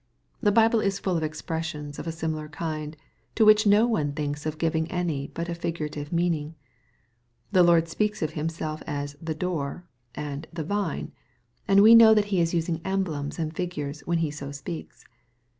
The Bible is full of expressions of a similar kind, to which no one thinks of giving any but a figurative meaning. Our Lord speaks of Himself as the " door" and the " vine," and we know that he is using emblems and figures, when He so speaks.